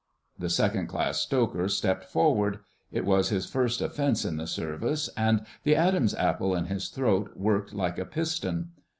The Second class Stoker stepped forward; it was his first offence in the Service, and the Adam's apple in his throat worked like a piston.